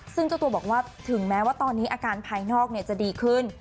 ซึ่งเจ้าตัวบอกว่าถึงแม้ว่าตอนนี้อาการภายนอกจะดีขึ้น